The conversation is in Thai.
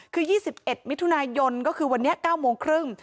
คือยี่สิบเอ็ดมิถุนายนก็คือวันนี้เก้าโมงครึ่ง